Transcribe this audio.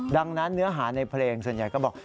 ดังนั้นเนื้อหาในเพลงส่วนใหญ่ก็บอก